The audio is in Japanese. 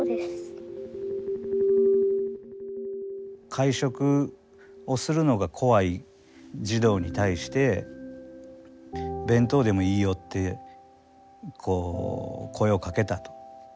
会食をするのが怖い児童に対して「弁当でもいいよ」ってこう声をかけたと。